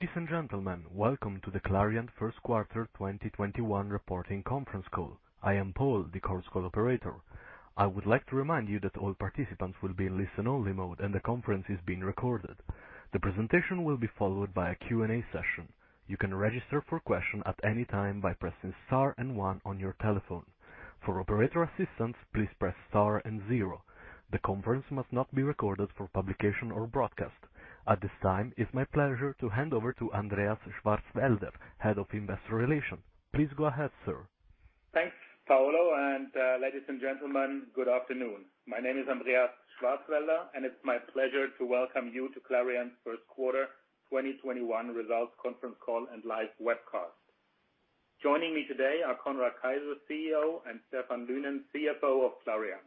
Ladies and gentlemen, welcome to the Clariant First Quarter 2021 Reporting Conference Call. I am Paul, the conference call operator. I would like to remind you that all participants will be in listen-only mode, and the conference is being recorded. The presentation will be followed by a Q&A session. You can register for question at any time by pressing star and one on your telephone. For operator assistance, please press star and zero. The conference must not be recorded for publication or broadcast. At this time, it's my pleasure to hand over to Andreas Schwarzwälder, Head of Investor Relations. Please go ahead, sir. Thanks, Paolo, and ladies and gentlemen, good afternoon. My name is Andreas Schwarzwälder, and it's my pleasure to welcome you to Clariant's first quarter 2021 results conference call and live webcast. Joining me today are Conrad Keijzer, CEO, and Stephan Lynen, CFO of Clariant.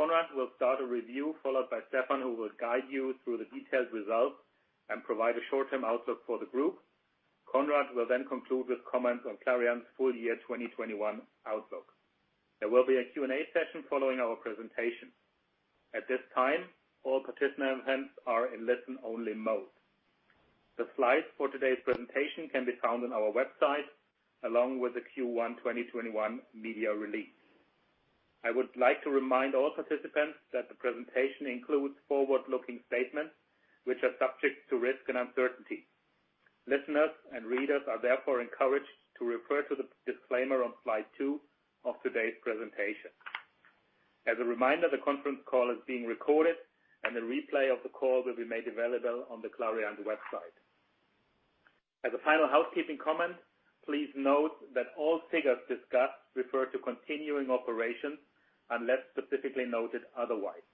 Conrad will start a review, followed by Stephan, who will guide you through the detailed results and provide a short-term outlook for the Group. Conrad will then conclude with comments on Clariant's full year 2021 outlook. There will be a Q&A session following our presentation. At this time, all participants are in listen-only mode. The slides for today's presentation can be found on our website, along with the Q1 2021 media release. I would like to remind all participants that the presentation includes forward-looking statements, which are subject to risk and uncertainty. Listeners and readers are therefore encouraged to refer to the disclaimer on slide two of today's presentation. As a reminder, the conference call is being recorded, and the replay of the call will be made available on the Clariant website. As a final housekeeping comment, please note that all figures discussed refer to continuing operations unless specifically noted otherwise.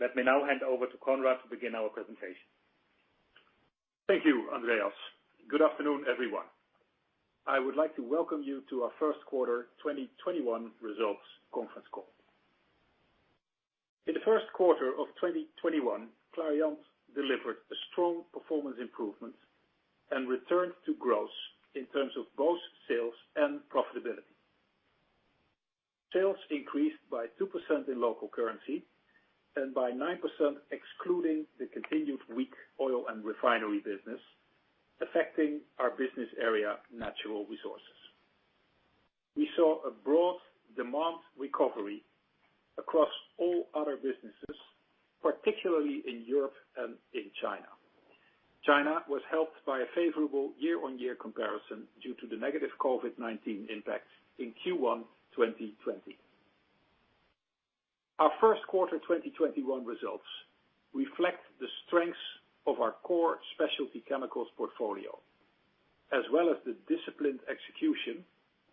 Let me now hand over to Conrad to begin our presentation. Thank you, Andreas Schwarzwälder. Good afternoon, everyone. I would like to welcome you to our first quarter 2021 results conference call. In the first quarter of 2021, Clariant delivered a strong performance improvement and returned to growth in terms of both sales and profitability. Sales increased by 2% in local currency and by 9% excluding the continued weak oil and refinery business affecting our business area, Natural Resources. We saw a broad demand recovery across all other businesses, particularly in Europe and in China. China was helped by a favorable year-on-year comparison due to the negative COVID-19 impact in Q1 2020. Our first quarter 2021 results reflect the strengths of our core specialty chemicals portfolio, as well as the disciplined execution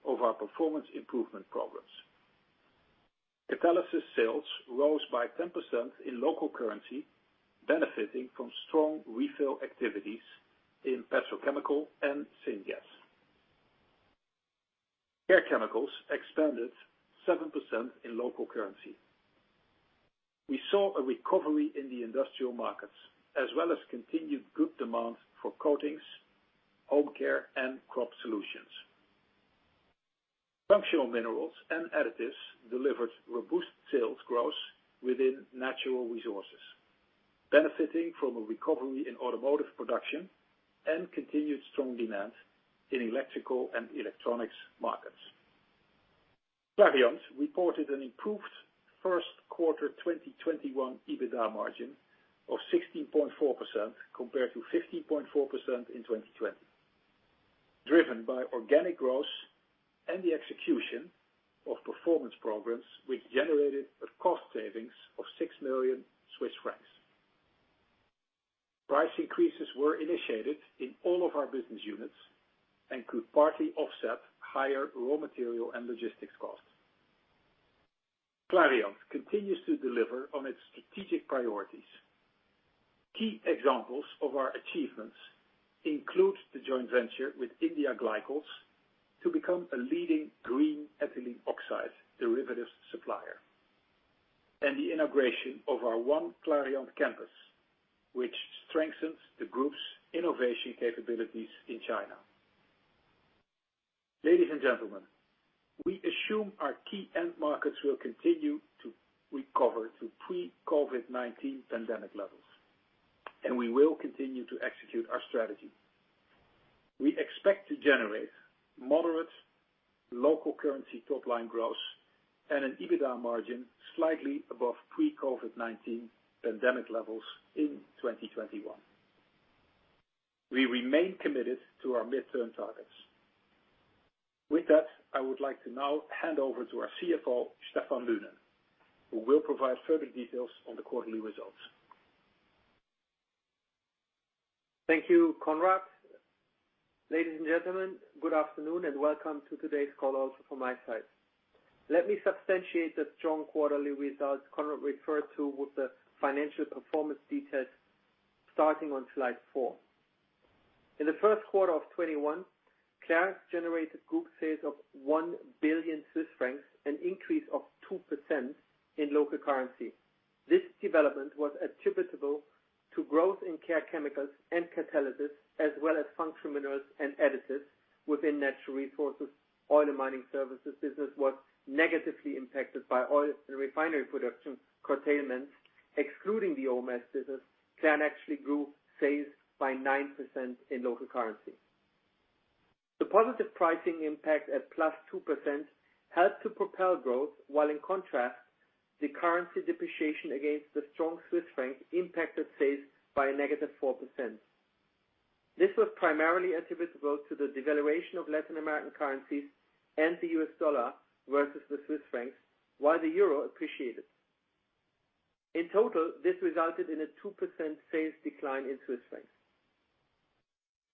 of our performance improvement programs. Catalysis sales rose by 10% in local currency, benefiting from strong refill activities in petrochemical and syngas. Care Chemicals expanded 7% in local currency. We saw a recovery in the industrial markets, as well as continued good demand for coatings, home care, and crop solutions. Functional Minerals and Additives delivered robust sales growth within Natural Resources, benefiting from a recovery in automotive production and continued strong demand in electrical and electronics markets. Clariant reported an improved first quarter 2021 EBITDA margin of 16.4% compared to 15.4% in 2020, driven by organic growth and the execution of performance programs, which generated a cost savings of 6 million Swiss francs. Price increases were initiated in all of our business units and could partly offset higher raw material and logistics costs. Clariant continues to deliver on its strategic priorities. Key examples of our achievements include the joint venture with India Glycols to become a leading green ethylene oxide derivatives supplier, and the integration of our One Clariant Campus, which strengthens the group's innovation capabilities in China. Ladies and gentlemen, we assume our key end markets will continue to recover to pre-COVID-19 pandemic levels, and we will continue to execute our strategy. We expect to generate moderate local currency top line growth and an EBITDA margin slightly above pre-COVID-19 pandemic levels in 2021. We remain committed to our midterm targets. With that, I would like to now hand over to our CFO, Stephan Lynen, who will provide further details on the quarterly results. Thank you, Conrad. Ladies and gentlemen, good afternoon, welcome to today's call also from my side. Let me substantiate the strong quarterly results Conrad referred to with the financial performance details starting on slide four. In the first quarter of 2021, Clariant generated group sales of 1 billion Swiss francs, an increase of 2% in local currency. This development was attributable to growth in Care Chemicals and Catalysis, as well as Functional Minerals and Additives within Natural Resources. Oil and Mining Services business was negatively impacted by oil and refinery production curtailments Excluding the OMS business, Clariant actually grew sales by 9% in local currency. The positive pricing impact at +2% helped to propel growth, while in contrast, the currency depreciation against the strong Swiss franc impacted sales by a negative 4%. This was primarily attributable to the devaluation of Latin American currencies and the US dollar versus the Swiss francs, while the euro appreciated. In total, this resulted in a 2% sales decline in Swiss francs.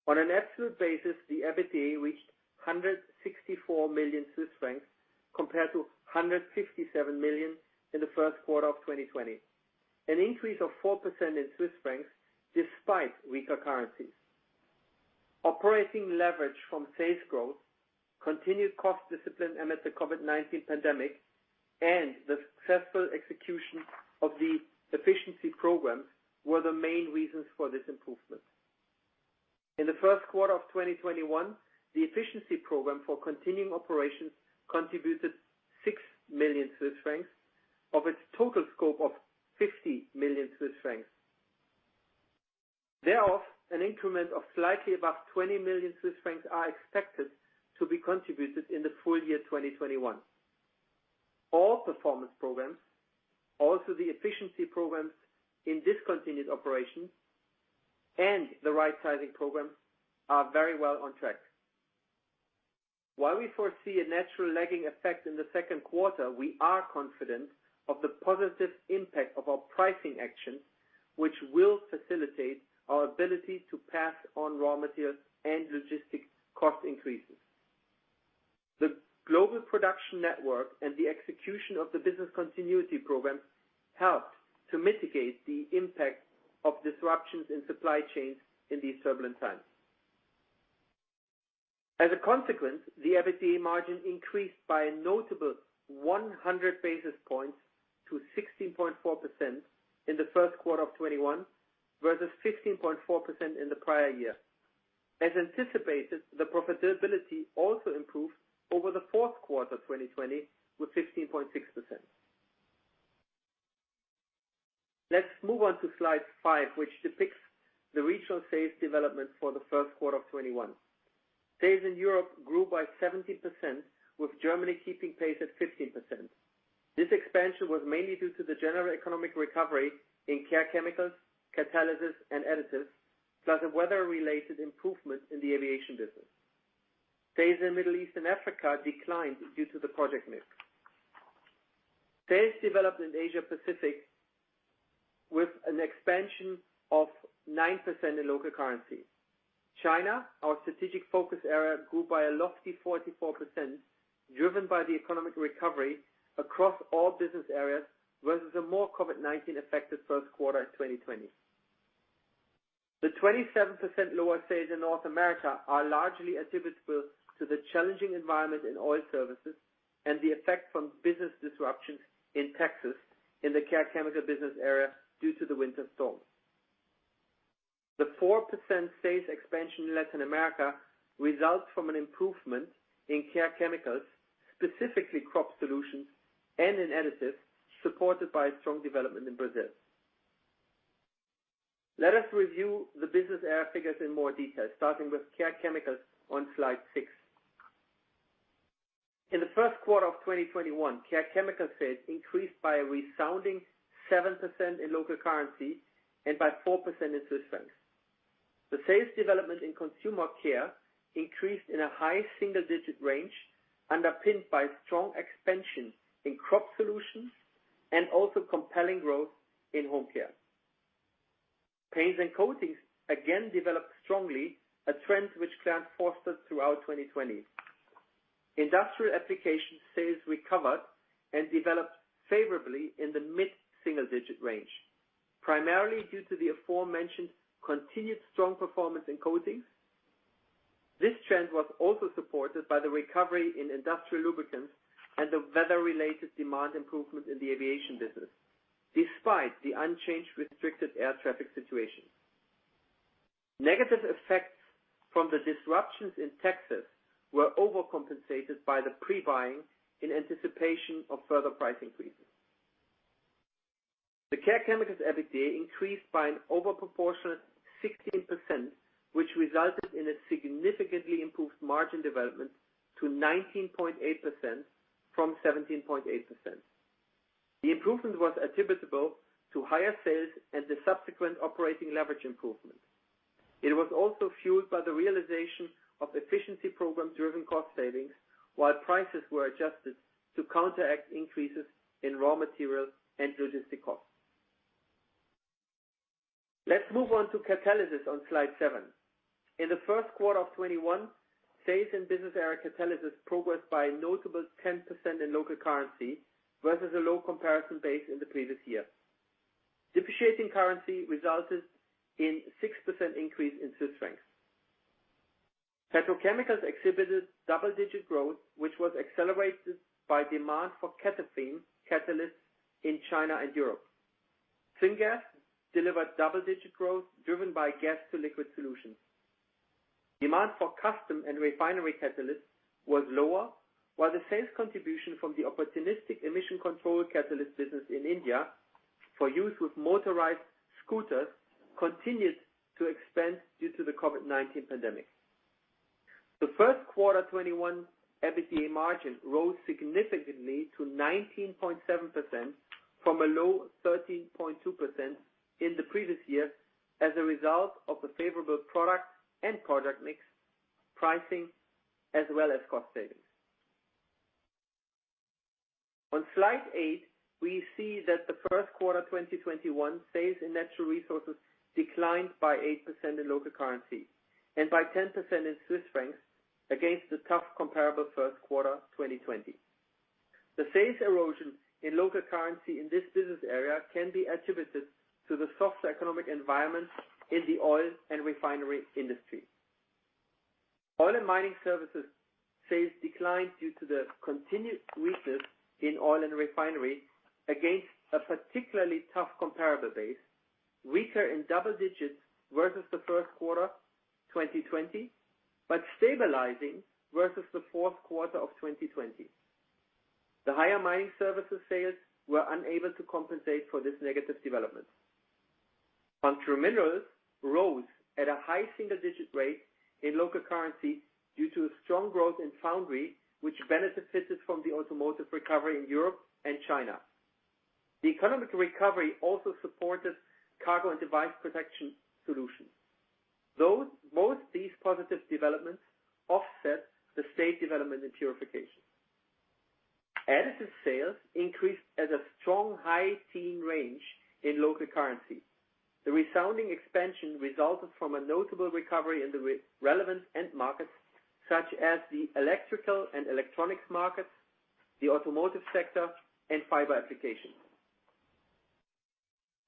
On an absolute basis, the EBITDA reached 164 million Swiss francs compared to 157 million in the first quarter of 2020, an increase of 4% in CHF despite weaker currencies. Operating leverage from sales growth, continued cost discipline amid the COVID-19 pandemic, and the successful execution of the efficiency programs were the main reasons for this improvement. In the first quarter of 2021, the Efficiency Program for Continuing Operations contributed 6 million Swiss francs of its total scope of 50 million Swiss francs. An increment of slightly above 20 million Swiss francs are expected to be contributed in the full year 2021. All performance programs, also the Efficiency Programs in Discontinued Operations and the rightsizing programs, are very well on track. While we foresee a natural lagging effect in the second quarter, we are confident of the positive impact of our pricing actions, which will facilitate our ability to pass on raw material and logistic cost increases. The global production network and the execution of the business continuity program helped to mitigate the impact of disruptions in supply chains in these turbulent times. As a consequence, the EBITDA margin increased by a notable 100 basis points to 16.4% in the first quarter of 2021, versus 15.4% in the prior year. As anticipated, the profitability also improved over the fourth quarter 2020 with 15.6%. Let's move on to slide five, which depicts the regional sales development for the first quarter of 2021. Sales in Europe grew by 17%, with Germany keeping pace at 15%. This expansion was mainly due to the general economic recovery in Care Chemicals, Catalysis, and Additives, plus a weather-related improvement in the aviation business. Sales in Middle East and Africa declined due to the project mix. Sales developed in Asia Pacific with an expansion of 9% in local currency. China, our strategic focus area, grew by a lofty 44%, driven by the economic recovery across all business areas, versus a more COVID-19-affected first quarter of 2020. The 27% lower sales in North America are largely attributable to the challenging environment in oil services and the effect from business disruptions in Texas in the Care Chemicals business area due to the winter storms. The 4% sales expansion in Latin America results from an improvement in Care Chemicals, specifically Crop Solutions and in Additives, supported by strong development in Brazil. Let us review the business area figures in more detail, starting with Care Chemicals on slide six. In the first quarter of 2021, Care Chemicals sales increased by a resounding 7% in local currency and by 4% in CHF. The sales development in Consumer Care increased in a high single-digit range, underpinned by strong expansion in Crop Solutions and also compelling growth in Home Care. Paints and coatings again developed strongly, a trend which Clariant fostered throughout 2020. Industrial application sales recovered and developed favorably in the mid-single digit range, primarily due to the aforementioned continued strong performance in coatings. This trend was also supported by the recovery in industrial lubricants and the weather-related demand improvement in the aviation business, despite the unchanged restricted air traffic situation. Negative effects from the disruptions in Texas were overcompensated by the pre-buying in anticipation of further price increases. The Care Chemicals EBITDA increased by an overproportionate 16%, which resulted in a significantly improved margin development to 19.8% from 17.8%. The improvement was attributable to higher sales and the subsequent operating leverage improvement. It was also fueled by the realization of efficiency program-driven cost savings, while prices were adjusted to counteract increases in raw material and logistic costs. Let's move on to Catalysis on slide seven. In the first quarter of 2021, sales in business area Catalysis progressed by a notable 10% in local currency, versus a low comparison base in the previous year. Depreciating currency resulted in a 6% increase in Swiss franc. Petrochemicals exhibited double-digit growth, which was accelerated by demand for CATOFIN catalysts in China and Europe. Syngas delivered double-digit growth, driven by gas to liquid solutions. Demand for custom and refinery catalysts was lower, while the sales contribution from the opportunistic emission control catalyst business in India for use with motorized scooters continued to expand due to the COVID-19 pandemic. The first quarter 2021 EBITDA margin rose significantly to 19.7% from a low 13.2% in the previous year as a result of the favorable product and project mix, pricing, as well as cost savings. On slide eight, we see that the first quarter 2021 sales in Natural Resources declined by 8% in local currency and by 10% in Swiss franc against the tough comparable first quarter 2020. The sales erosion in local currency in this business area can be attributed to the soft economic environment in the oil and refinery industry. Oil and Mining Services sales declined due to the continued weakness in oil and refinery against a particularly tough comparable base, weaker in double digits versus the first quarter 2020, but stabilizing versus the fourth quarter of 2020. The higher mining services sales were unable to compensate for this negative development. Functional Minerals rose at a high single-digit rate in local currency due to a strong growth in foundry, which benefited from the automotive recovery in Europe and China. The economic recovery also supported cargo and device protection solutions. Most of these positive developments offset the state development and purification. Additives sales increased at a strong high teen range in local currency. The resounding expansion resulted from a notable recovery in the relevant end markets, such as the electrical and electronics markets, the automotive sector, and fiber applications.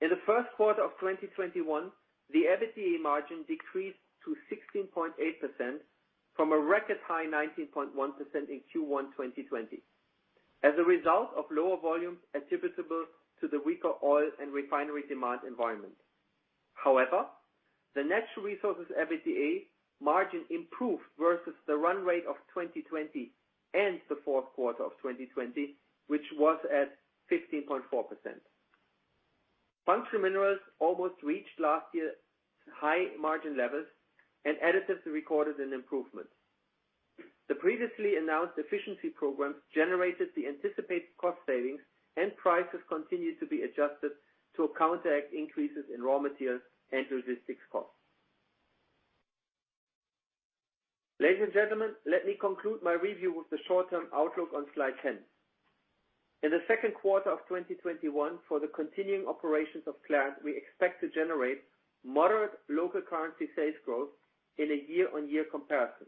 In the first quarter of 2021, the EBITDA margin decreased to 16.8% from a record high 19.1% in Q1 2020 as a result of lower volumes attributable to the weaker oil and refinery demand environment. The Natural Resources EBITDA margin improved versus the run rate of 2020 and the fourth quarter of 2020, which was at 15.4%. Functional Minerals almost reached last year's high margin levels, and Additives recorded an improvement. The previously announced efficiency programs generated the anticipated cost savings, and prices continued to be adjusted to counteract increases in raw material and logistics costs. Ladies and gentlemen, let me conclude my review with the short-term outlook on slide 10. In the second quarter of 2021, for the continuing operations of Clariant, we expect to generate moderate local currency sales growth in a year-on-year comparison.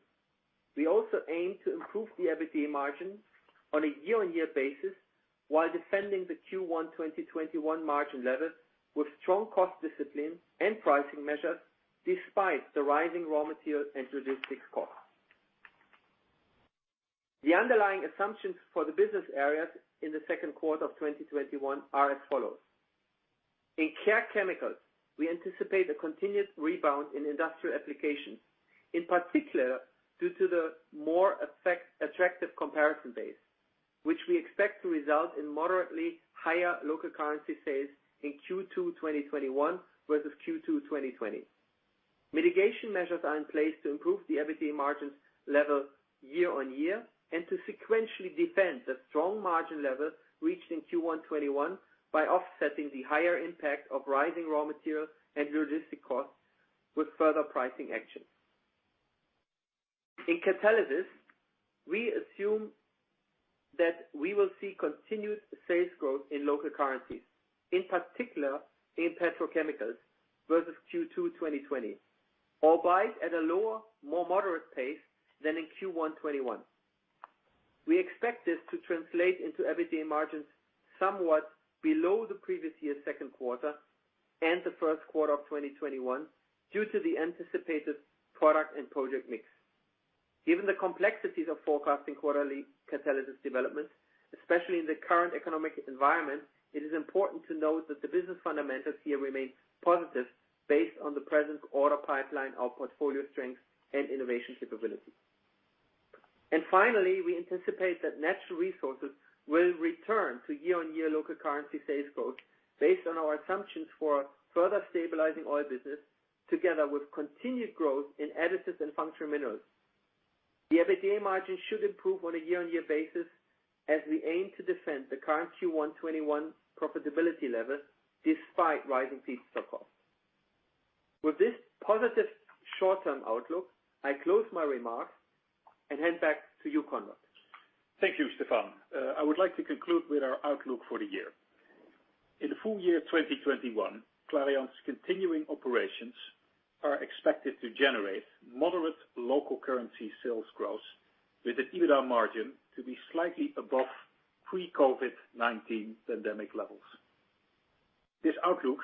We also aim to improve the EBITDA margin on a year-on-year basis, while defending the Q1 2021 margin levels with strong cost discipline and pricing measures despite the rising raw material and logistics costs. The underlying assumptions for the business areas in the second quarter of 2021 are as follows. In Care Chemicals, we anticipate a continued rebound in industrial applications, in particular, due to the more attractive comparison base, which we expect to result in moderately higher local currency sales in Q2 2021 versus Q2 2020. Mitigation measures are in place to improve the EBITDA margins level year-on-year and to sequentially defend the strong margin levels reached in Q1 2021 by offsetting the higher impact of rising raw material and logistic costs with further pricing actions. In Catalysis, we assume that we will see continued sales growth in local currencies, in particular in petrochemicals versus Q2 2020, albeit at a lower, more moderate pace than in Q1 2021. We expect this to translate into EBITDA margins somewhat below the previous year's second quarter and the first quarter of 2021 due to the anticipated product and project mix. Given the complexities of forecasting quarterly catalysis developments, especially in the current economic environment, it is important to note that the business fundamentals here remain positive based on the present order pipeline, our portfolio strength, and innovation capability. Finally, we anticipate that Natural Resources will return to year-on-year local currency sales growth based on our assumptions for further stabilizing oil business together with continued growth in Additives and Functional Minerals. The EBITDA margin should improve on a year-on-year basis as we aim to defend the current Q1 2021 profitability level despite rising feedstock costs. With this positive short-term outlook, I close my remarks and hand back to you, Conrad. Thank you, Stephan. I would like to conclude with our outlook for the year. In the full year 2021, Clariant's continuing operations are expected to generate moderate local currency sales growth with an EBITDA margin to be slightly above pre-COVID-19 pandemic levels. This outlook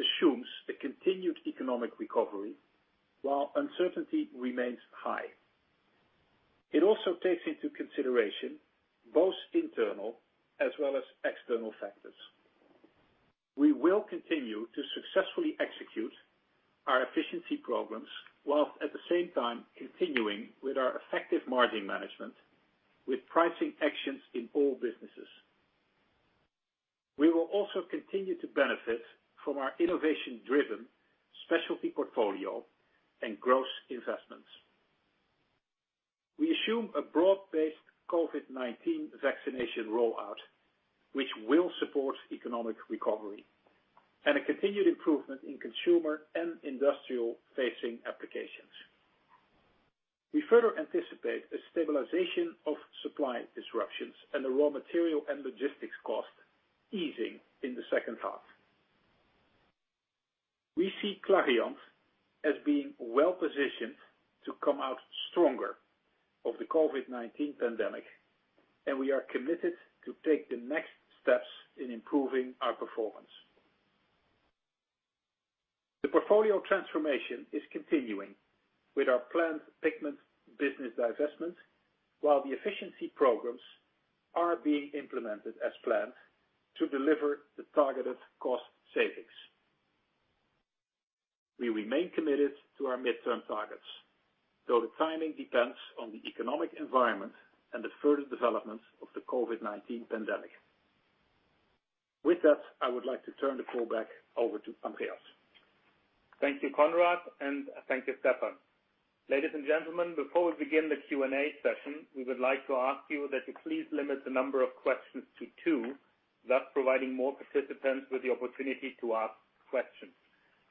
assumes a continued economic recovery while uncertainty remains high. It also takes into consideration both internal as well as external factors. We will continue to successfully execute our efficiency programs, whilst at the same time continuing with our effective margin management with pricing actions in all businesses. We will also continue to benefit from our innovation-driven specialty portfolio and growth investments. We assume a broad-based COVID-19 vaccination rollout, which will support economic recovery, and a continued improvement in consumer and industrial-facing applications. We further anticipate a stabilization of supply disruptions and the raw material and logistics cost easing in the second half. We see Clariant as being well-positioned to come out stronger of the COVID-19 pandemic, and we are committed to take the next steps in improving our performance. The portfolio transformation is continuing with our planned Pigments business divestment, while the efficiency programs are being implemented as planned to deliver the targeted cost savings. We remain committed to our midterm targets, though the timing depends on the economic environment and the further developments of the COVID-19 pandemic. With that, I would like to turn the call back over to Andreas. Thank you, Conrad, and thank you, Stephan. Ladies and gentlemen, before we begin the Q&A session, we would like to ask you that you please limit the number of questions to two, thus providing more participants with the opportunity to ask questions.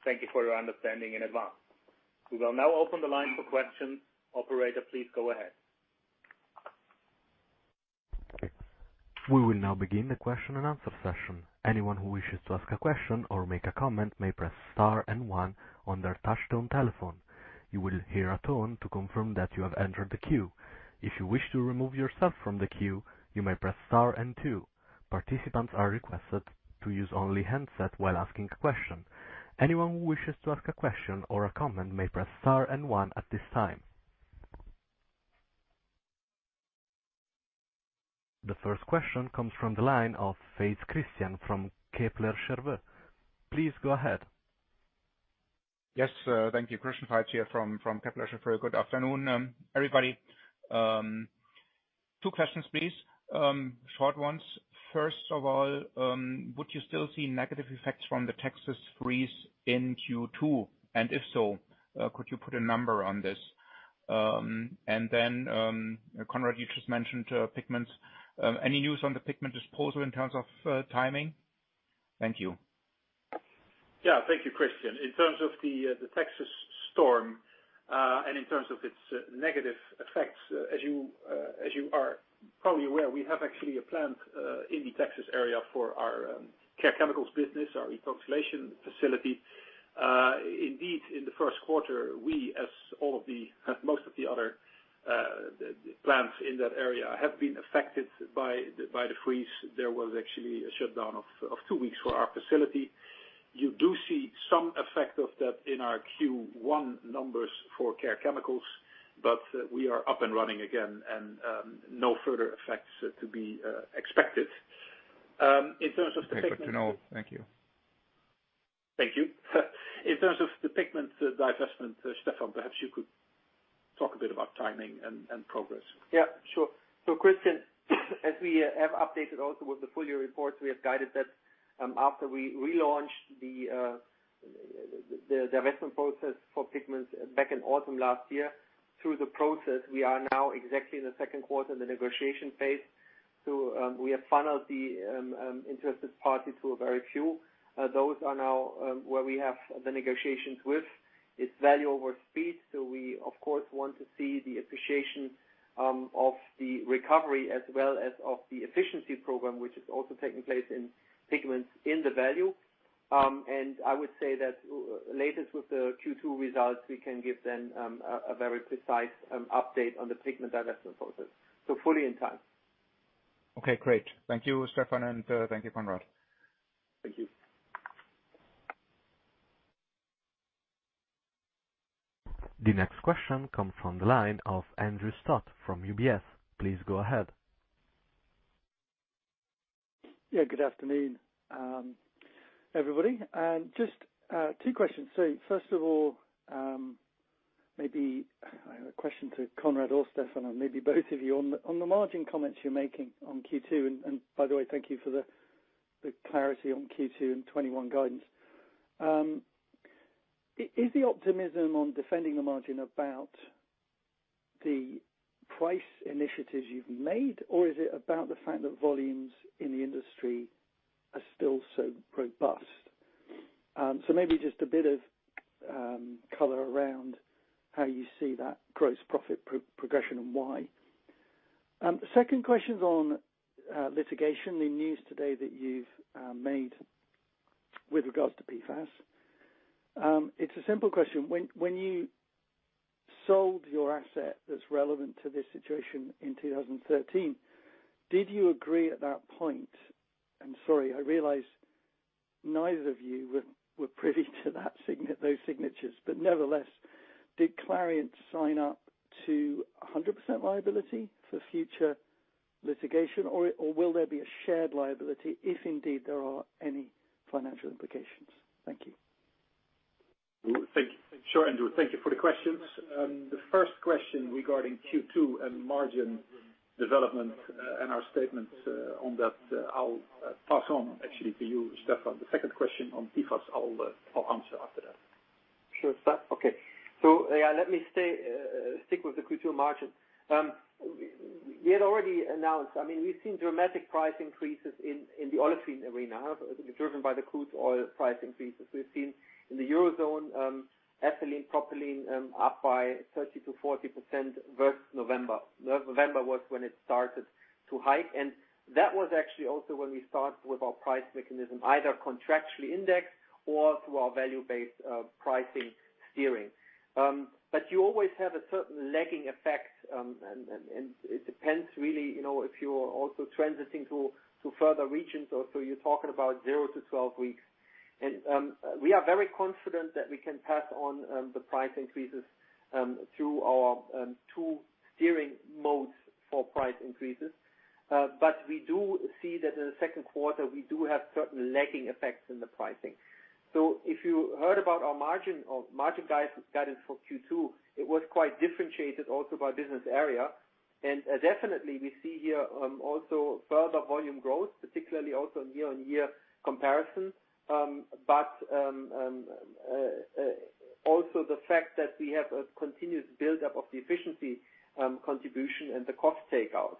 Thank you for your understanding in advance. We will now open the line for questions. Operator, please go ahead. We will now begin the question and answer session. Anyone who wishes to ask a question or make a comment may press star and one on their touch-tone telephone. You will hear a tone to confirm that you have entered the queue. If you wish to remove yourself from the queue, you may press star and two. Participants are requested to use only handset while asking a question. Anyone who wishes to ask a question or a comment may press star and one at this time. The first question comes from the line of Christian Faitz from Kepler Cheuvreux. Please go ahead. Yes, thank you. Christian Faitz here from Kepler Cheuvreux. Good afternoon, everybody. Two questions, please. Short ones. First of all, would you still see negative effects from the Texas freeze in Q2? If so, could you put a number on this? Then, Conrad, you just mentioned Pigments. Any news on the Pigment disposal in terms of timing? Thank you. Thank you, Christian. In terms of the Texas storm, and in terms of its negative effects, as you are probably aware, we have actually a plant in the Texas area for our Care Chemicals business, our ethoxylation facility. Indeed, in the first quarter, we, as most of the other plants in that area, have been affected by the freeze. There was actually a shutdown of two weeks for our facility. You do see some effect of that in our Q1 numbers for Care Chemicals, but we are up and running again and no further effects to be expected. In terms of the Pigments. Okay, good to know. Thank you. Thank you. In terms of the Pigments divestment, Stephan, perhaps you could talk a bit about timing and progress. Yeah, sure. Christian, as we have updated also with the full year report, we have guided that after we relaunched the divestment process for Pigments back in autumn last year, through the process, we are now exactly in the second quarter in the negotiation phase. We have funneled the interested parties to a very few. Those are now where we have the negotiations with its value over speed. We, of course, want to see the appreciation of the recovery as well as of the efficiency program, which is also taking place in Pigments in the value. I would say that latest with the Q2 results, we can give them a very precise update on the Pigment divestment process. Fully on time. Okay, great. Thank you, Stephan, and thank you, Conrad. Thank you. The next question comes from the line of Andrew Stott from UBS. Please go ahead. Good afternoon, everybody. Just two questions. First of all, maybe I have a question to Conrad or Stephan, or maybe both of you on the margin comments you're making on Q2. By the way, thank you for the clarity on Q2 and 2021 guidance. Is the optimism on defending the margin about the price initiatives you've made, or is it about the fact that volumes in the industry are still so robust? Maybe just a bit of color around how you see that gross profit progression and why. Second question's on litigation. The news today that you've made with regards to PFAS. It's a simple question. When you sold your asset that's relevant to this situation in 2013, did you agree at that point, sorry, I realize neither of you were privy to those signatures, but nevertheless, did Clariant sign up to 100% liability for future litigation, or will there be a shared liability if indeed there are any financial implications? Thank you. Sure, Andrew. Thank you for the questions. The first question regarding Q2 and margin development and our statement on that, I'll pass on actually to you, Stephan. The second question on PFAS, I'll answer after that. Sure. Okay. Let me stick with the Q2 margin. We had already announced, we've seen dramatic price increases in the olefin arena, driven by the crude oil price increases. We've seen in the Eurozone, ethylene, propylene, up by 30%-40% versus November. November was when it started to hike, and that was actually also when we started with our price mechanism, either contractually indexed or through our value-based pricing steering. You always have a certain lagging effect, and it depends really if you're also transiting to further regions or so you're talking about 0-12 weeks. We are very confident that we can pass on the price increases through our two steering modes for price increases. We do see that in the second quarter, we do have certain lagging effects in the pricing. If you heard about our margin guidance for Q2, it was quite differentiated also by business area. Definitely we see here also further volume growth, particularly also in year-on-year comparison. Also the fact that we have a continuous buildup of the efficiency contribution and the cost takeout.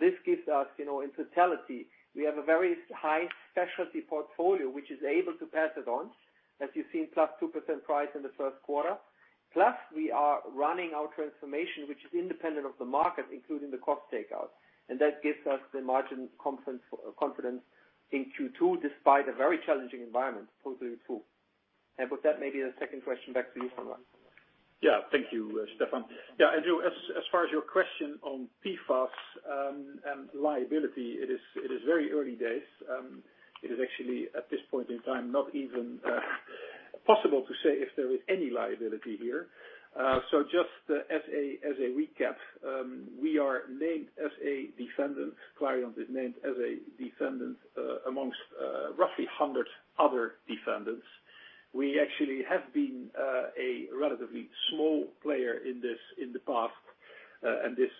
This gives us, in totality, we have a very high specialty portfolio, which is able to pass it on. As you've seen, +2% price in the first quarter. We are running our transformation, which is independent of the market, including the cost takeout. That gives us the margin confidence in Q2, despite a very challenging environment post Q2. With that, maybe the second question back to you, Conrad. Thank you, Stephan. Andrew, as far as your question on PFAS and liability, it is very early days. It is actually, at this point in time, not even possible to say if there is any liability here. Just as a recap, Clariant is named as a defendant amongst roughly 100 other defendants. We actually have been a relatively small player in the past, and this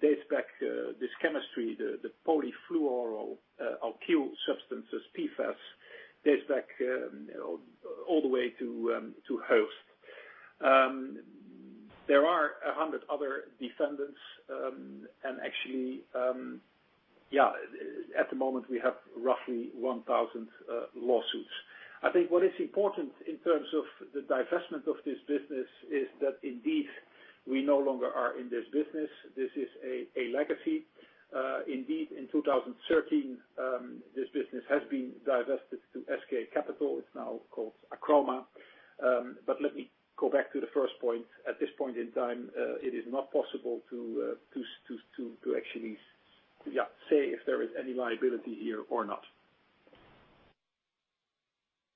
dates back, this chemistry, the polyfluoroalkyl substances, PFAS, dates back all the way to Hoechst. There are 100 other defendants, and actually, at the moment, we have roughly 1,000 lawsuits. I think what is important in terms of the divestment of this business is that indeed, we no longer are in this business. This is a legacy. Indeed, in 2013, this business has been divested to SK Capital. It's now called Archroma. Let me go back to the first point. At this point in time, it is not possible to actually say if there is any liability here or not.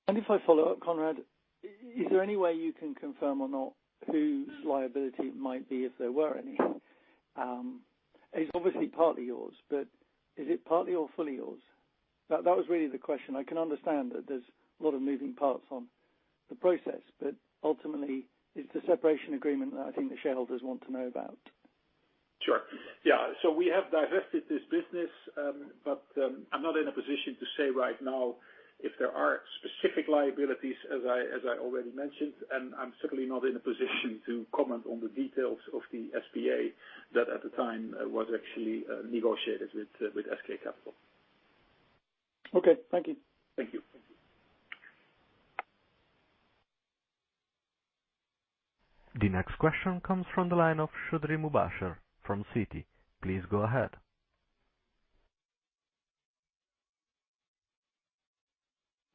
If I follow up, Conrad, is there any way you can confirm or not whose liability it might be if there were any? It's obviously partly yours, but is it partly or fully yours? That was really the question. I can understand that there's a lot of moving parts on the process, but ultimately, it's the separation agreement that I think the shareholders want to know about. Sure. Yeah. We have divested this business, but I'm not in a position to say right now if there are specific liabilities, as I already mentioned, and I'm certainly not in a position to comment on the details of the SPA that, at the time, was actually negotiated with SK Capital. Okay. Thank you. Thank you. The next question comes from the line of Mubasher Chaudhry from Citi. Please go ahead.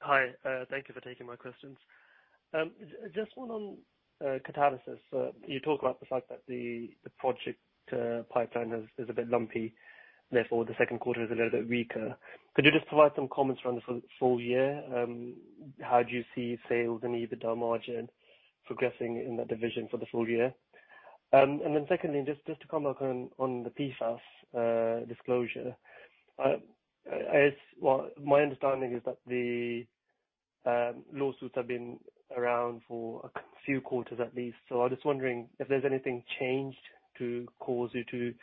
Hi. Thank you for taking my questions. Just one on Catalysis. You talk about the fact that the project pipeline is a bit lumpy, therefore the second quarter is a little bit weaker. Could you just provide some comments around the full year? How do you see sales and EBITDA margin progressing in that division for the full year? Secondly, just to come back on the PFAS disclosure. My understanding is that the lawsuits have been around for a few quarters at least. I was just wondering if there's anything changed to cause you to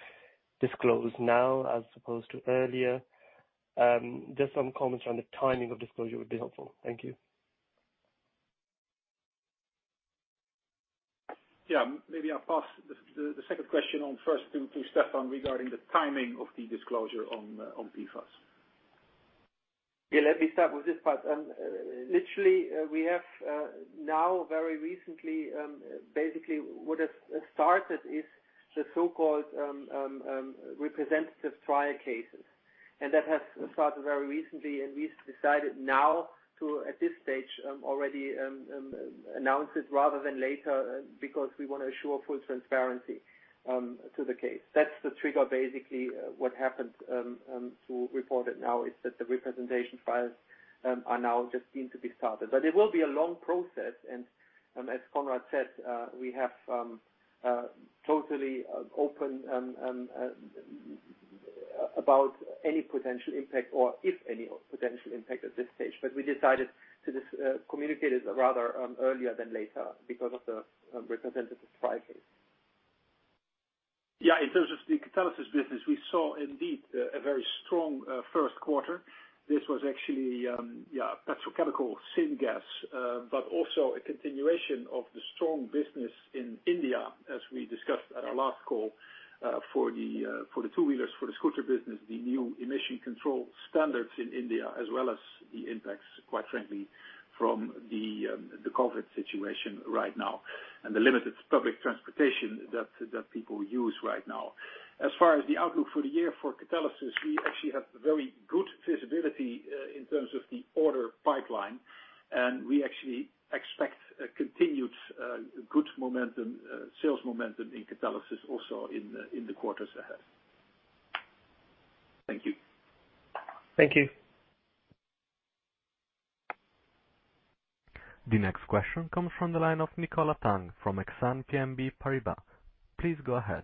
disclose now as opposed to earlier. Just some comments around the timing of disclosure would be helpful. Thank you. Yeah. Maybe I'll pass the second question on first to Stephan regarding the timing of the disclosure on PFAS. Yeah, let me start with this part. Literally, we have now very recently, basically what has started is the so-called representative trial cases. That has started very recently, and we decided now to, at this stage, already announce it rather than later because we want to ensure full transparency to the case. That's the trigger, basically, what happened to report it now, is that the representation files are now just deemed to be started. It will be a long process, and as Conrad said, we have totally open about any potential impact or if any potential impact at this stage. We decided to just communicate it rather earlier than later because of the representative file case. In terms of the Catalysis business, we saw indeed a very strong first quarter. This was actually petrochemical syngas, but also a continuation of the strong business in India, as we discussed at our last call for the two-wheelers, for the scooter business, the new emission control standards in India, as well as the impacts, quite frankly, from the COVID situation right now and the limited public transportation that people use right now. As far as the outlook for the year for Catalysis, we actually have very good visibility in terms of the order pipeline, and we actually expect a continued good sales momentum in Catalysis also in the quarters ahead. Thank you. Thank you. The next question comes from the line of Nicola Tang from Exane BNP Paribas. Please go ahead.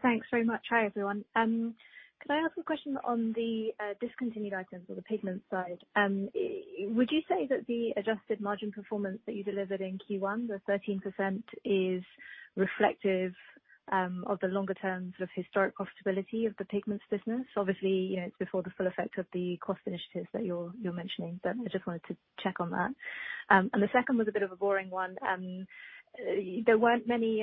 Thanks very much. Hi, everyone. Could I ask a question on the discontinued items or the Pigments side? Would you say that the adjusted margin performance that you delivered in Q1, the 13%, is reflective of the longer-term sort of historic profitability of the Pigments business? Obviously, it's before the full effect of the cost initiatives that you're mentioning, but I just wanted to check on that. The second was a bit of a boring one. There weren't many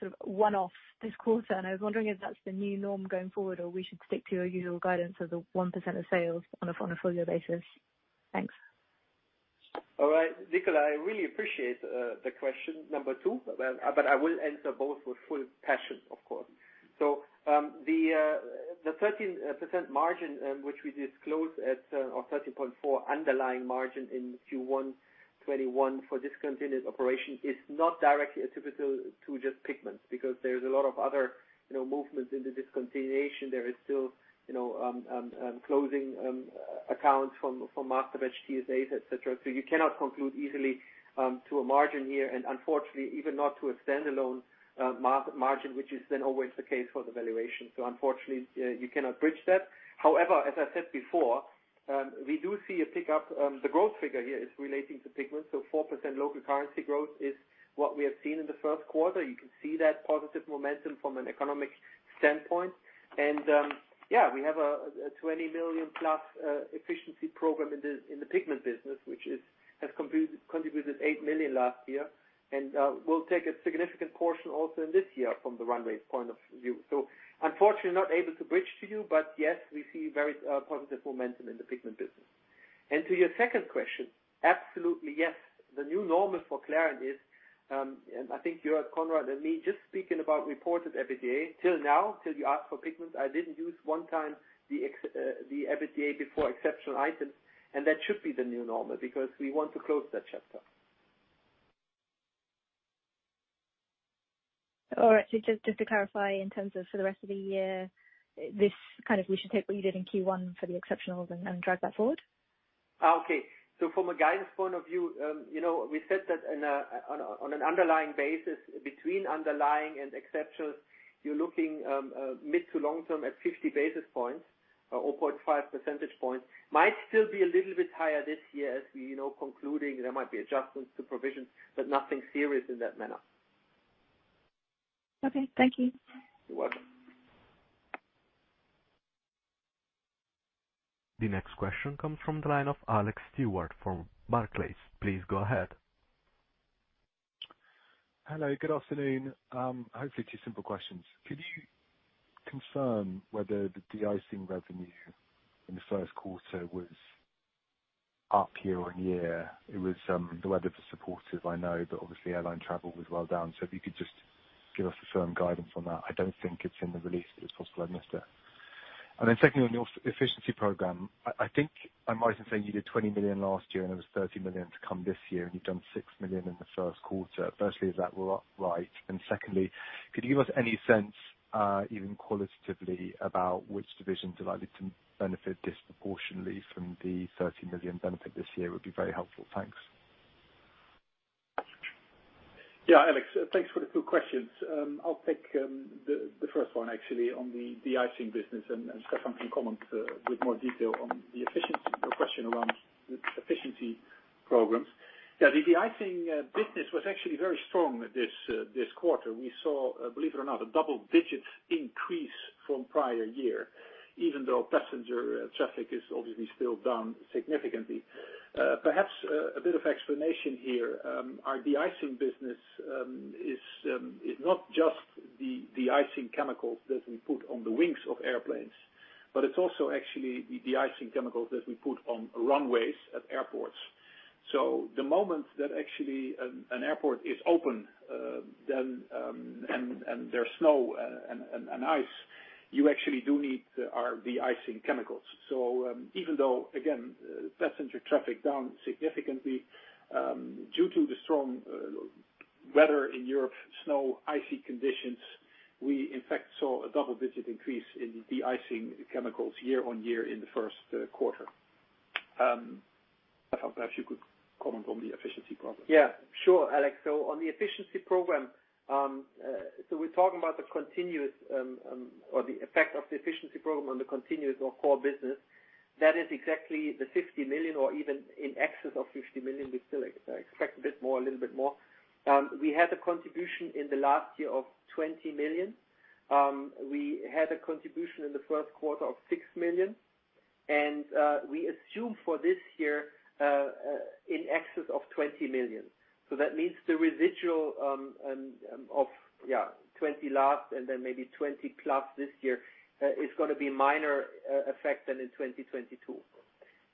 sort of one-off this quarter, and I was wondering if that's the new norm going forward, or we should stick to your usual guidance of the 1% of sales on a full-year basis. Thanks. All right, Nicola, I really appreciate the question number two, I will answer both with full passion, of course. The 13% margin which we disclose at or 13.4% underlying margin in Q1 2021 for discontinued operation is not directly attributable to just Pigments because there's a lot of other movements in the discontinuation. There is still closing accounts from Masterbatches, TSAs, et cetera. You cannot conclude easily to a margin here, and unfortunately, even not to a standalone margin, which is then always the case for the valuation. Unfortunately, you cannot bridge that. However, as I said before, we do see a pickup. The growth figure here is relating to Pigments. 4% local currency growth is what we have seen in the first quarter. You can see that positive momentum from an economic standpoint. Yeah, we have a 20 million+ efficiency program in the Pigments business, which has contributed 8 million last year and will take a significant portion also in this year from the runway point of view. Unfortunately, not able to bridge to you, but yes, we see very positive momentum in the Pigments business. To your second question, absolutely, yes. The new normal for Clariant is, and I think you heard Conrad and me just speaking about reported EBITDA. Till now, till you asked for Pigments, I didn't use one time the EBITDA before exceptional items, and that should be the new normal because we want to close that chapter. All right. Just to clarify in terms of for the rest of the year, this kind of we should take what you did in Q1 for the exceptionals and drive that forward? From a guidance point of view, we said that on an underlying basis, between underlying and exceptionals, you're looking mid to long term at 50 basis points or 0.5 percentage points. Might still be a little bit higher this year as we concluding there might be adjustments to provisions, but nothing serious in that manner. Okay. Thank you. You're welcome. The next question comes from the line of Alex Stewart from Barclays. Please go ahead. Hello. Good afternoon. Hopefully, two simple questions. Could you confirm whether the de-icing revenue in the first quarter was up year-on-year? The weather was supportive, I know, but obviously airline travel was well down. If you could just give us a firm guidance on that. I don't think it's in the release, but it's possible I've missed it. Secondly, on your efficiency program, I think I might have seen you did 20 million last year, and it was 30 million to come this year, and you've done 6 million in the first quarter. Firstly, is that right? Secondly, could you give us any sense, even qualitatively, about which divisions are likely to benefit disproportionately from the 30 million benefit this year would be very helpful. Thanks. Yeah, Alex, thanks for the two questions. I'll take the first one actually on the de-icing business, and Stephan can comment with more detail on the efficiency, your question around the efficiency programs. Yeah, the de-icing business was actually very strong this quarter. We saw, believe it or not, a double-digit increase from prior year, even though passenger traffic is obviously still down significantly. Perhaps a bit of explanation here. Our de-icing business is not just the de-icing chemicals that we put on the wings of airplanes, but it's also actually the de-icing chemicals that we put on runways at airports. The moment that actually an airport is open, and there's snow and ice, you actually do need our de-icing chemicals. Even though, again, passenger traffic down significantly due to the strong weather in Europe, snow, icy conditions, we in fact saw a double-digit increase in de-icing chemicals year-on-year in the first quarter. Stephan, perhaps you could comment on the efficiency program. Yeah. Sure, Alex. On the efficiency program, we're talking about the continuous or the effect of the efficiency program on the continuous or core business. That is exactly the 50 million or even in excess of 50 million. We still expect a little bit more. We had a contribution in the last year of 20 million. We had a contribution in the first quarter of 6 million, and we assume for this year, in excess of 20 million. That means the residual of 20 million last and then maybe 20 million+ this year, is going to be minor effect than in 2022.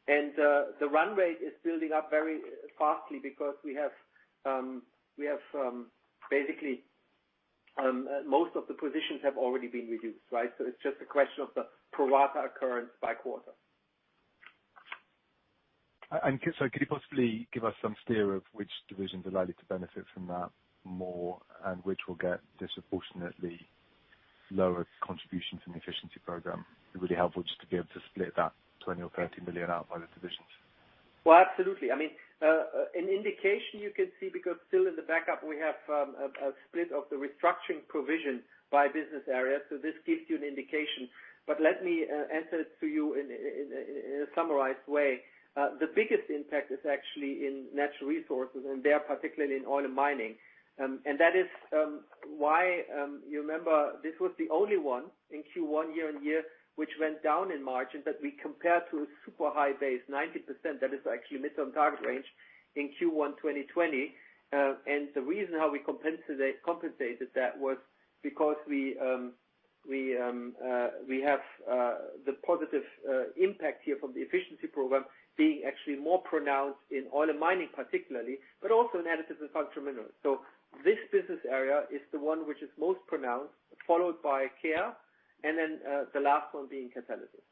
The run rate is building up very fastly because we have basically, most of the positions have already been reduced, right? It's just a question of the pro rata occurrence by quarter. Could you possibly give us some steer of which divisions are likely to benefit from that more and which will get disproportionately lower contributions in the efficiency program? It'd be really helpful just to be able to split that 20 million or 30 million out by the divisions. Well, absolutely. I mean, an indication you can see, because still in the backup, we have a split of the restructuring provision by business area. This gives you an indication. Let me answer it to you in a summarized way. The biggest impact is actually in Natural Resources, there, particularly in Oil and Mining. That is why, you remember, this was the only one in Q1 year-on-year, which went down in margin. We compare to a super high base, 90%, that is actually mid on target range in Q1 2020. The reason how we compensated that was because we have the positive impact here from the efficiency program being actually more pronounced in Oil and Mining particularly, but also in Additives and Functional Minerals. This business area is the one which is most pronounced, followed by Care and then, the last one being Catalysis.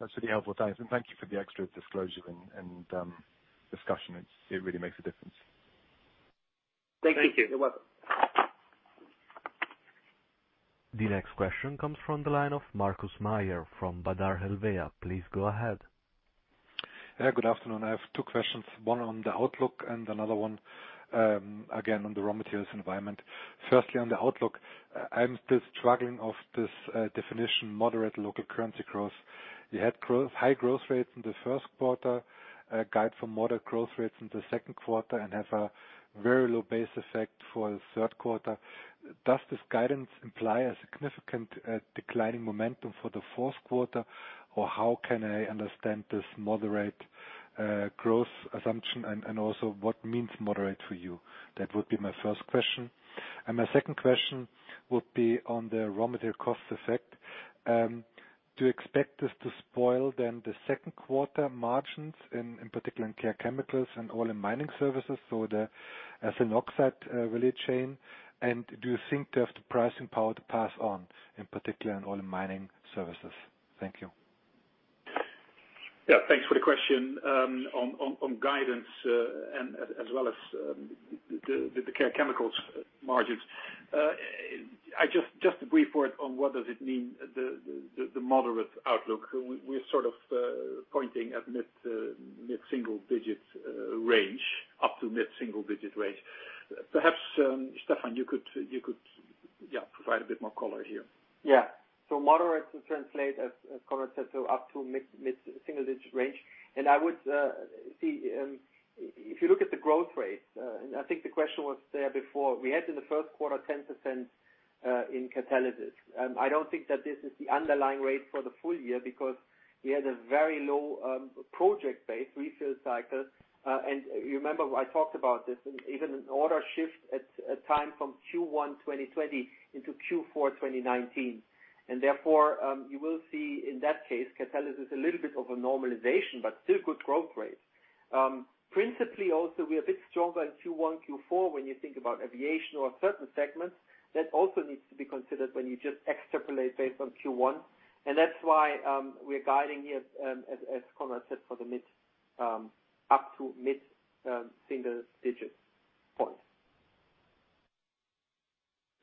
That's really helpful. Thanks. Thank you for the extra disclosure and discussion. It really makes a difference. Thank you. You are welcome. The next question comes from the line of Markus Mayer from Baader Helvea. Please go ahead. Good afternoon. I have two questions, one on the outlook and another one, again, on the raw materials environment. Firstly, on the outlook, I'm still struggling of this definition, moderate local currency growth. You had high growth rates in the first quarter, a guide for moderate growth rates in the second quarter, and have a very low base effect for the third quarter. Does this guidance imply a significant declining momentum for the fourth quarter? How can I understand this moderate growth assumption, and also what means moderate for you? That would be my first question. My second question would be on the raw material cost effect. Do you expect this to spoil then the second quarter margins, in particular in Care Chemicals and Oil and Mining Services, so the ethylene oxide value chain? Do you think they have the pricing power to pass on, in particular in Oil and Mining Services? Thank you. Yeah, thanks for the question. On guidance, as well as the Care Chemicals margins. Just a brief word on what does it mean, the moderate outlook. We're sort of pointing at mid-single digits range, up to mid-single digit range. Perhaps, Stephan, you could provide a bit more color here. Moderate will translate, as Conrad said, up to mid-single digit range. I would say, if you look at the growth rate, and I think the question was there before. We had in the first quarter 10% in Catalysis. I don't think that this is the underlying rate for the full year because we had a very low project base refill cycle. You remember I talked about this, even an order shift at time from Q1 2020 into Q4 2019. Therefore, you will see in that case, Catalysis, a little bit of a normalization, but still good growth rate. Principally also, we are a bit stronger in Q1, Q4 when you think about aviation or certain segments. That also needs to be considered when you just extrapolate based on Q1. That's why, we're guiding here, as Conrad said, for up to mid-single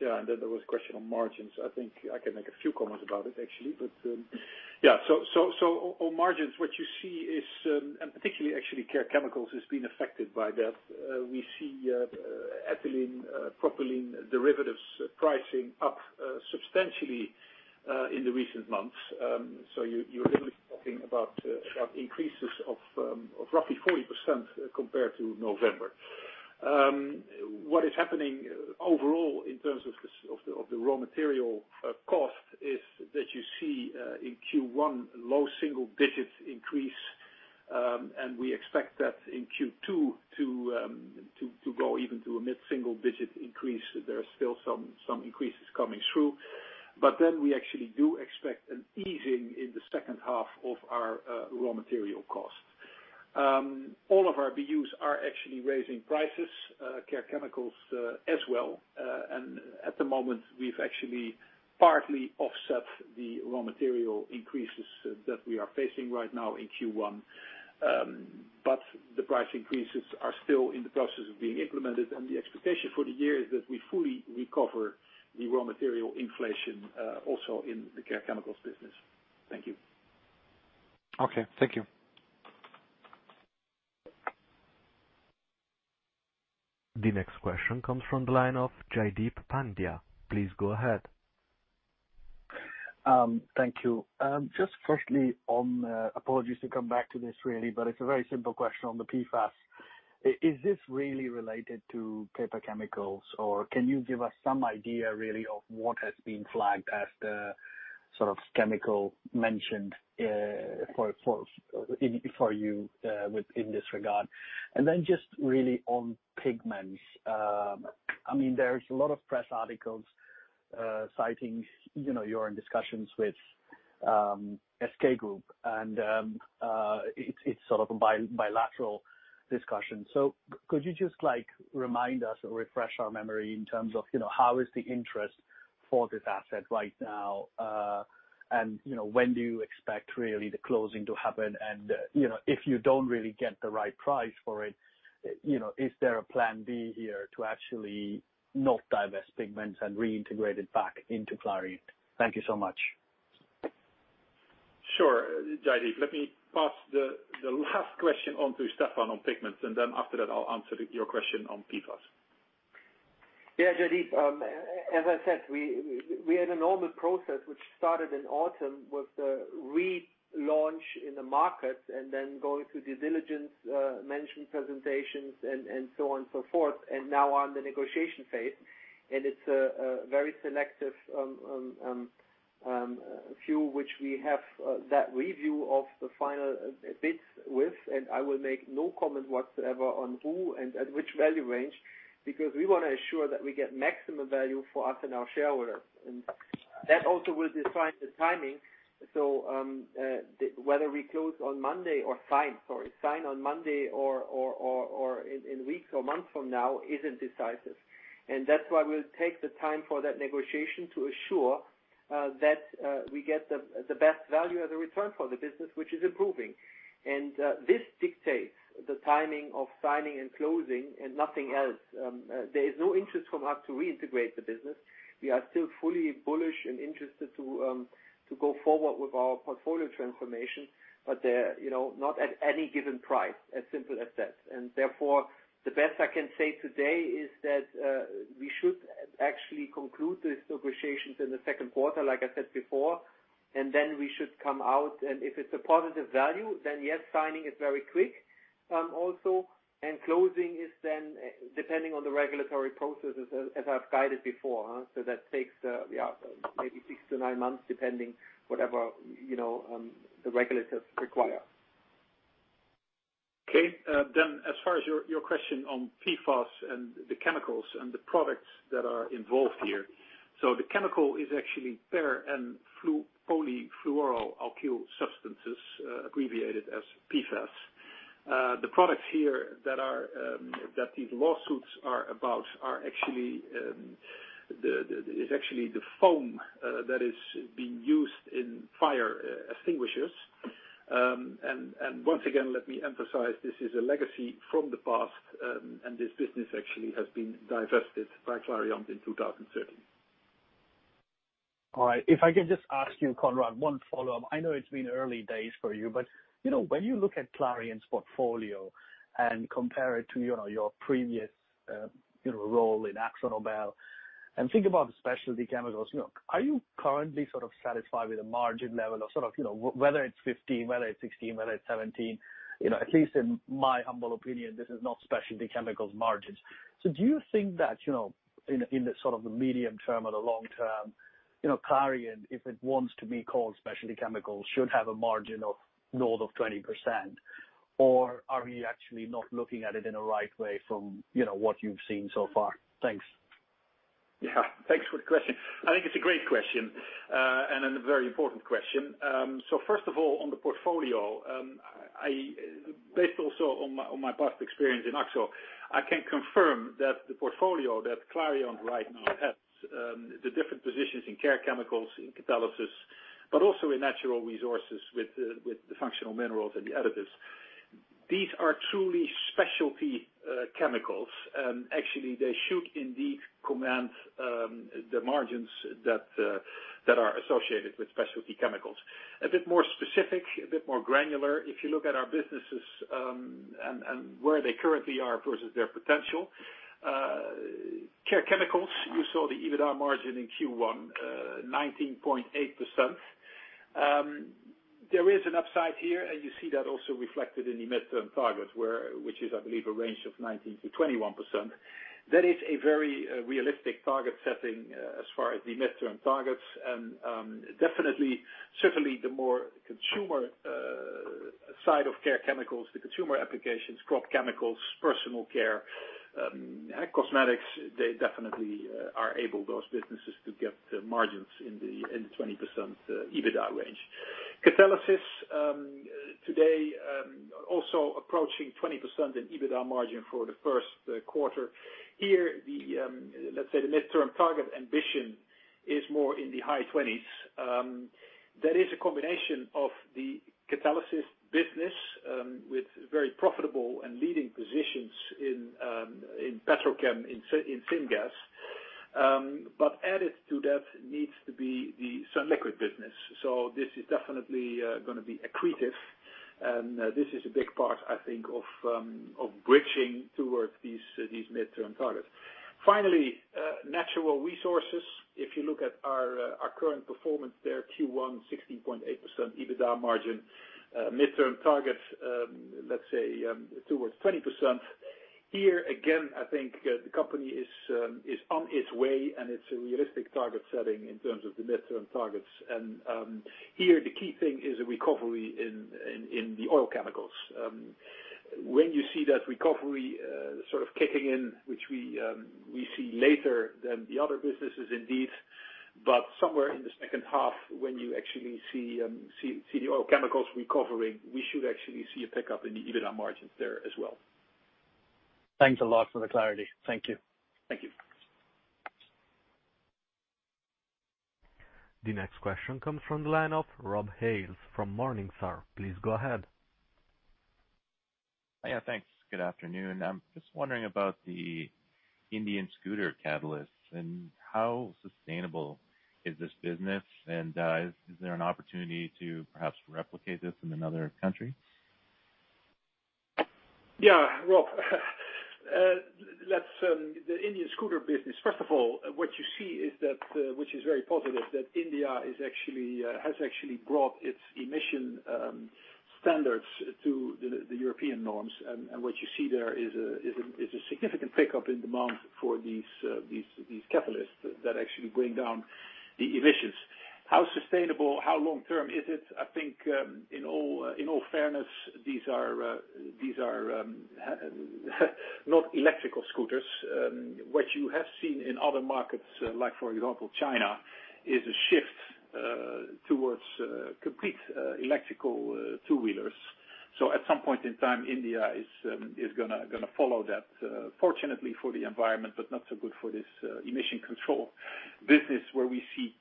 digits point. There was a question on margins. I think I can make a few comments about it, actually. On margins, what you see is, and particularly actually Care Chemicals has been affected by that. We see ethylene, propylene derivatives pricing up substantially, in the recent months. You're literally talking about sharp increases of roughly 40% compared to November. What is happening overall in terms of the raw material cost is that you see in Q1, low single digits increase, and we expect that in Q2 to go even to a mid-single digit increase. There are still some increases coming through. We actually do expect an easing in the second half of our raw material costs. All of our BUs are actually raising prices, Care Chemicals as well. At the moment, we've actually partly offset the raw material increases that we are facing right now in Q1. The price increases are still in the process of being implemented, and the expectation for the year is that we fully recover the raw material inflation also in the Care Chemicals business. Thank you. Okay. Thank you. The next question comes from the line of Jaideep Pandya. Please go ahead. Thank you. Firstly, apologies to come back to this really, it's a very simple question on the PFAS. Is this really related to paper chemicals? Can you give us some idea really of what has been flagged as the chemical mentioned for you in this regard? Just really on Pigments. There's a lot of press articles citing you're in discussions with SK Group, it's a bilateral discussion. Could you just remind us or refresh our memory in terms of how is the interest for this asset right now, when do you expect really the closing to happen? If you don't really get the right price for it, is there a plan B here to actually not divest Pigments and reintegrate it back into Clariant? Thank you so much. Sure. Jaideep, let me pass the last question on to Stephan on Pigments, and then after that, I'll answer your question on PFAS. Yeah, Jaideep. As I said, we had a normal process, which started in autumn with the relaunch in the market and then going through due diligence, management presentations, and so on and so forth, and now on the negotiation phase. It's a very selective few which we have that review of the final bids with, and I will make no comment whatsoever on who and at which value range, because we want to ensure that we get maximum value for us and our shareholders. That also will decide the timing. Whether we close on Monday or sign, sorry, sign on Monday or in weeks or months from now isn't decisive. That's why we'll take the time for that negotiation to assure that we get the best value as a return for the business, which is improving. This dictates the timing of signing and closing and nothing else. There is no interest from us to reintegrate the business. We are still fully bullish and interested to go forward with our portfolio transformation, but not at any given price, as simple as that. Therefore, the best I can say today is that we should actually conclude these negotiations in the second quarter, like I said before. Then we should come out, and if it's a positive value, then yes, signing is very quick. Closing is then depending on the regulatory processes as I've guided before. That takes maybe six to nine months, depending whatever the regulators require. Okay. As far as your question on PFAS and the chemicals and the products that are involved here. The chemical is actually per and polyfluoroalkyl substances, abbreviated as PFAS. The products here that these lawsuits are about is actually the foam that is being used in fire extinguishers. Once again, let me emphasize, this is a legacy from the past, and this business actually has been divested by Clariant in 2013. All right. If I can just ask you, Conrad, one follow-up. I know it's been early days for you, but when you look at Clariant's portfolio and compare it to your previous role in AkzoNobel and think about the specialty chemicals, are you currently satisfied with the margin level of whether it's 15%, whether it's 16%, whether it's 17%? At least in my humble opinion, this is not specialty chemicals margins. Do you think that, in the medium term or the long term, Clariant, if it wants to be called specialty chemicals, should have a margin of north of 20%? Or are we actually not looking at it in a right way from what you've seen so far? Thanks. Thanks for the question. I think it's a great question, and a very important question. First of all, on the portfolio, based also on my past experience in Akzo, I can confirm that the portfolio that Clariant right now has, the different positions in Care Chemicals, in Catalysis, but also in Natural Resources with the Functional Minerals and the Additives. These are truly specialty chemicals. Actually, they should indeed command the margins that are associated with specialty chemicals. A bit more specific, a bit more granular, if you look at our businesses, and where they currently are versus their potential. Care Chemicals, you saw the EBITDA margin in Q1, 19.8%. There is an upside here, and you see that also reflected in the midterm target, which is, I believe, a range of 19%-21%. That is a very realistic target setting as far as the midterm targets, and definitely, certainly the more consumer side of Care Chemicals, the consumer applications, crop chemicals, personal care, and cosmetics, they definitely are able, those businesses, to get the margins in the 20% EBITDA range. Catalysis today, also approaching 20% in EBITDA margin for the first quarter. Here, let's say, the midterm target ambition is more in the high 20%s. That is a combination of the Catalysis business, with very profitable and leading positions in petrochem, in syngas. Added to that needs to be the sunliquid business. This is definitely going to be accretive, and this is a big part, I think, of bridging towards these midterm targets. Finally, Natural Resources. If you look at our current performance there, Q1 16.8% EBITDA margin. Midterm target, let's say, towards 20%. Here, again, I think the company is on its way. It's a realistic target setting in terms of the midterm targets. Here the key thing is a recovery in the oil chemicals. When you see that recovery sort of kicking in, which we see later than the other businesses, indeed, but somewhere in the second half, when you actually see the oil chemicals recovering, we should actually see a pickup in the EBITDA margins there as well. Thanks a lot for the clarity. Thank you. Thank you. The next question comes from the line of Rob Hales from Morningstar. Please go ahead. Yeah, thanks. Good afternoon. I'm just wondering about the Indian scooter catalysts, and how sustainable is this business, and is there an opportunity to perhaps replicate this in another country? Rob, the Indian scooter business, first of all, what you see, which is very positive, that India has actually brought its emission standards to the European norms. What you see there is a significant pickup in demand for these catalysts that actually bring down the emissions. How sustainable, how long-term is it? I think, in all fairness, these are not electrical scooters. What you have seen in other markets, like for example, China, is a shift towards complete electrical two-wheelers. At some point in time, India is going to follow that. Fortunately for the environment, but not so good for this emission control business, where we see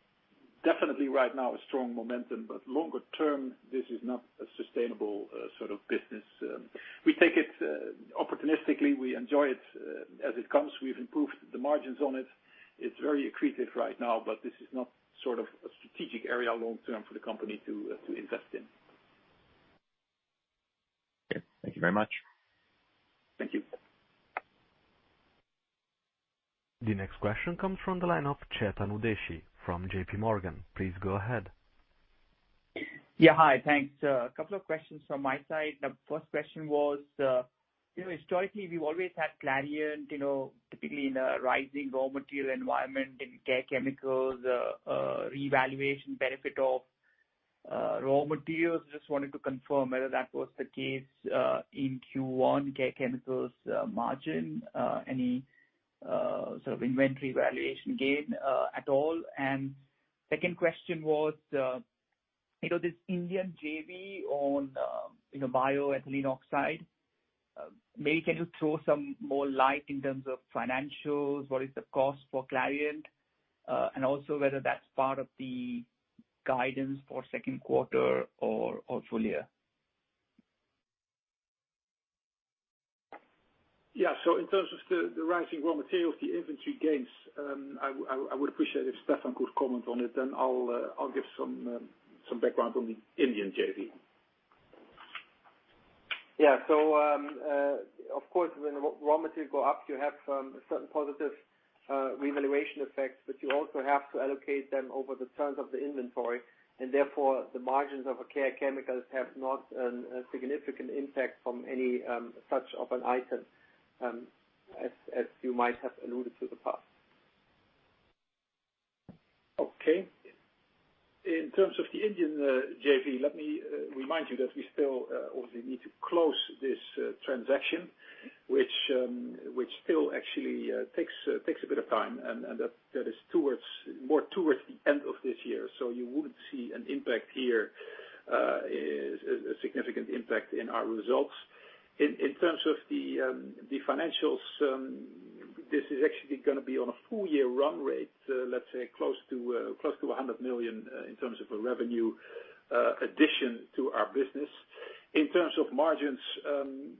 definitely right now a strong momentum. Longer term, this is not a sustainable sort of business. We take it opportunistically. We enjoy it as it comes. We've improved the margins on it. It's very accretive right now, but this is not a strategic area long-term for the company to invest in. Okay. Thank you very much. Thank you. The next question comes from the line of Chetan Udeshi from JPMorgan. Please go ahead. Yeah. Hi. Thanks. A couple of questions from my side. The first question was, historically, we've always had Clariant, typically in a rising raw material environment in Care Chemicals, revaluation benefit of raw materials. Just wanted to confirm whether that was the case, in Q1 Care Chemicals margin, any sort of inventory valuation gain at all. Second question was, this Indian JV on bio ethylene oxide. Maybe can you throw some more light in terms of financials, what is the cost for Clariant? Also whether that's part of the guidance for second quarter or full year. Yeah. In terms of the rising raw materials, the inventory gains, I would appreciate if Stephan could comment on it, then I'll give some background on the Indian JV. Of course, when raw materials go up, you have some certain positive revaluation effects, but you also have to allocate them over the tons of the inventory, and therefore, the margins of Care Chemicals have not a significant impact from any such of an item, as you might have alluded to the past. Okay. In terms of the Indian JV, let me remind you that we still obviously need to close this transaction, which still actually takes a bit of time, and that is more towards the end of this year. You wouldn't see a significant impact in our results. In terms of the financials, this is actually going to be on a full-year run rate, let's say, close to 100 million in terms of a revenue addition to our business. In terms of margins,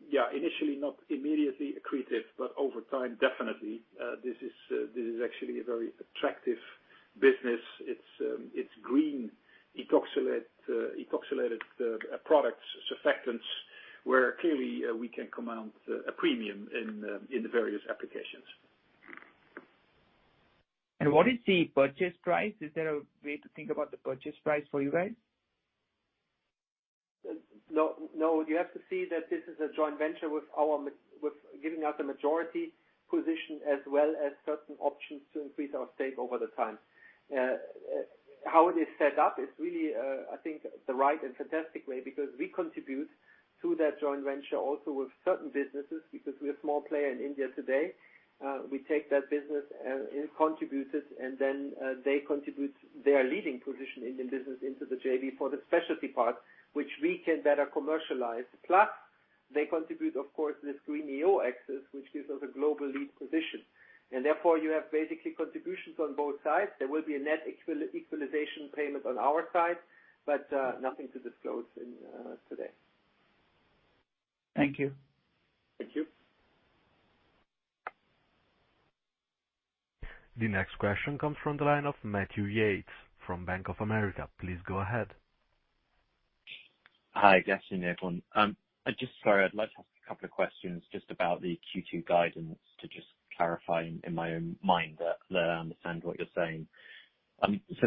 yeah, initially not immediately accretive, but over time, definitely. This is actually a very attractive business. It's green ethoxylated products, surfactants, where clearly we can command a premium in the various applications. What is the purchase price? Is there a way to think about the purchase price for you guys? No. You have to see that this is a joint venture with giving us a majority position as well as certain options to increase our stake over the time. How it is set up is really, I think, the right and fantastic way because we contribute through that joint venture also with certain businesses, because we're a small player in India today, we take that business and contribute it, and then they contribute their leading position Indian business into the JV for the specialty part, which we can better commercialize. They contribute, of course, this Green-EO access, which gives us a global lead position. Therefore, you have basically contributions on both sides. There will be a net equalization payment on our side, but nothing to disclose today. Thank you. Thank you. The next question comes from the line of Matthew Yates from Bank of America. Please go ahead. Hi. Good afternoon, everyone. Just sorry, I'd like to ask a couple of questions about the Q2 guidance to clarify in my own mind that I understand what you're saying.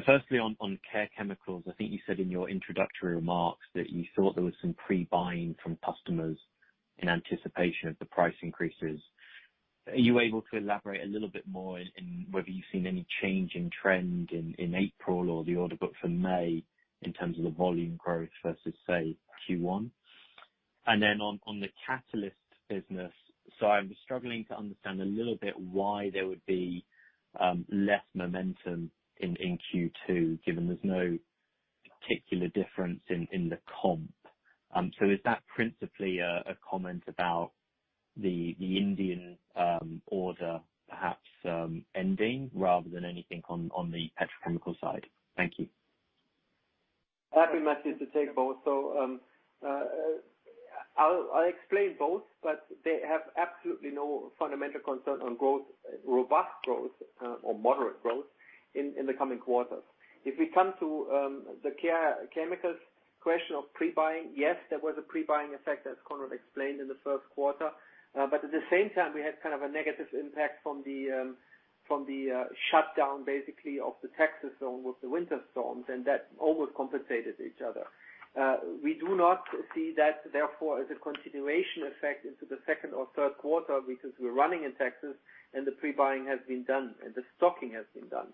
Firstly, on Care Chemicals, I think you said in your introductory remarks that you thought there was some pre-buying from customers in anticipation of the price increases. Are you able to elaborate a little bit more in whether you've seen any change in trend in April or the order book for May in terms of the volume growth versus, say, Q1? On the catalyst business, I'm struggling to understand a little bit why there would be less momentum in Q2, given there's no particular difference in the comp. Is that principally a comment about the Indian order perhaps ending rather than anything on the petrochemical side? Thank you. Happy, Matthew, to take both. I'll explain both, but they have absolutely no fundamental concern on growth, robust growth or moderate growth in the coming quarters. If we come to the Care Chemicals question of pre-buying, yes, there was a pre-buying effect, as Conrad explained in the first quarter. At the same time, we had kind of a negative impact from the shutdown, basically, of the Texas zone with the winter storms, and that overcompensated each other. We do not see that, therefore, as a continuation effect into the second or third quarter because we're running in Texas and the pre-buying has been done and the stocking has been done.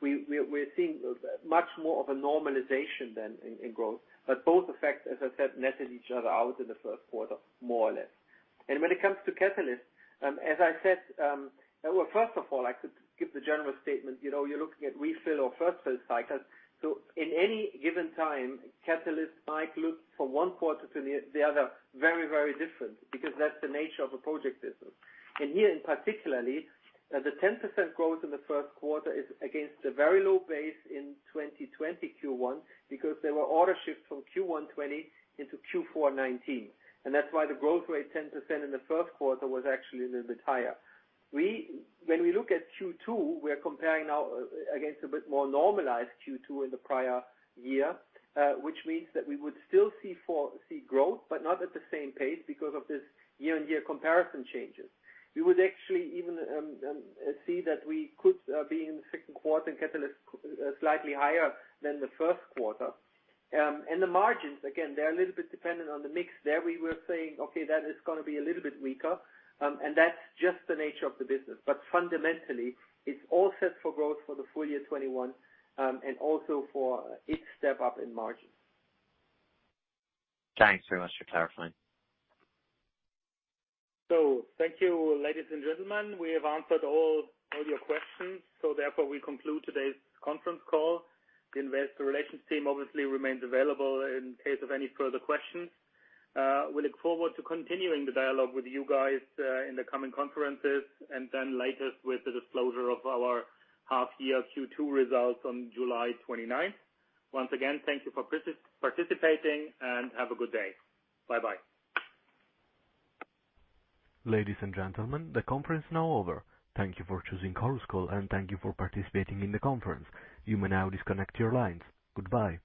We're seeing much more of a normalization than in growth. Both effects, as I said, netted each other out in the first quarter, more or less. When it comes to catalysts, first of all, I could give the general statement. You're looking at refill or first-fill cycles. In any given time, catalysts might look from one quarter to the other very different because that's the nature of a project business. Here in particularly, the 10% growth in the first quarter is against a very low base in 2020 Q1 because there were order shifts from Q1 2020 into Q4 2019. That's why the growth rate 10% in the first quarter was actually a little bit higher. When we look at Q2, we're comparing now against a bit more normalized Q2 in the prior year, which means that we would still see growth, but not at the same pace because of this year-on-year comparison changes. We would actually even see that we could be in the second quarter in Catalysis slightly higher than the first quarter. The margins, again, they're a little bit dependent on the mix. There we were saying, okay, that is going to be a little bit weaker, and that's just the nature of the business. Fundamentally, it's all set for growth for the full year 2021, and also for each step-up in margins. Thanks very much for clarifying. Thank you, ladies and gentlemen. We have answered all your questions, so therefore we conclude today's conference call. The investor relations team obviously remains available in case of any further questions. We look forward to continuing the dialogue with you guys in the coming conferences, and then later with the disclosure of our half year Q2 results on July 29th. Once again, thank you for participating, and have a good day. Bye-bye. Ladies and gentlemen, the conference is now over. Thank you for choosing Chorus Call. Thank you for participating in the conference. You may now disconnect your lines. Goodbye.